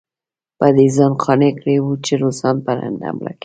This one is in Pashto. په دې یې ځان قانع کړی وو چې روسان پر هند حمله کوي.